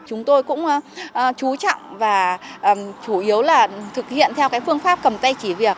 chúng tôi cũng chú trọng và chủ yếu là thực hiện theo phương pháp cầm tay chỉ việc